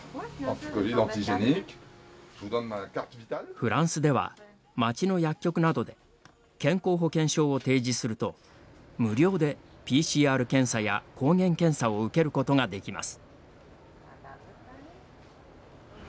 フランスでは街の薬局などで健康保険証を提示すると無料でＰＣＲ検査や抗原検査を受けることができます。